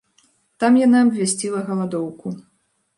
Там яна абвясціла галадоўку.